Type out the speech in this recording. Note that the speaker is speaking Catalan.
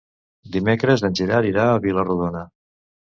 Dimecres en Gerard irà a Vila-rodona.